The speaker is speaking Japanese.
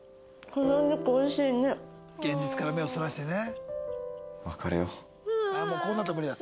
現実から目をそらしてね。